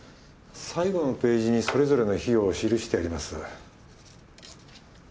最後のページにそれぞれの費用を記してあります。